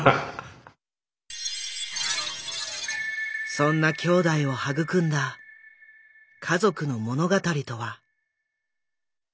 そんな兄弟を育んだ家族の物語とは？